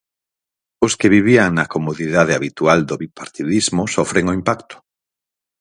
Os que vivían na comodidade habitual do bipartidismo sofren o impacto.